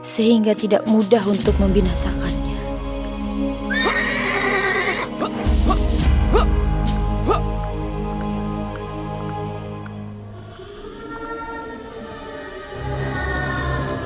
sehingga tidak mudah untuk membinasakannya